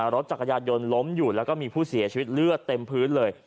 รถจักรยานยนต์ล้มอยู่แล้วก็มีผู้เสียชีวิตเลือดเต็มพื้นเลย